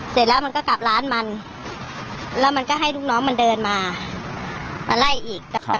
เสร็จแล้วมันก็กลับร้านมันแล้วมันก็ให้ลูกน้องมันเดินมามาไล่อีก